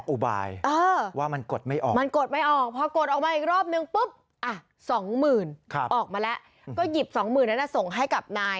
อุว้ยมันกดไม่ออก